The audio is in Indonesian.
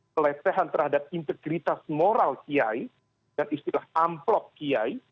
pelecehan terhadap integritas moral kiai dan istilah amplop kiai